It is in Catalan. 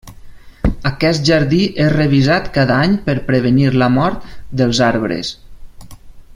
Aquest jardí és revisat cada any per prevenir la mort dels arbres.